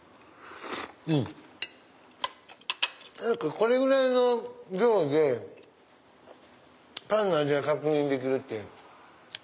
これぐらいの量でパンの味が確認できるってすごい。